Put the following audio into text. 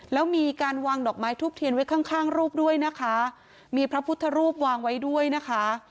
แล้วมีการวางดอกไม้ทูบเทียนไว้ข้างข้างรูปด้วยนะคะมีพระพุทธรูปวางไว้ด้วยนะคะ